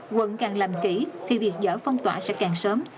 quận càng làm kỹ thì việc dỡ phong tỏa sẽ càng sớm